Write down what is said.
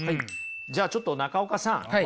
じゃあちょっと中岡さん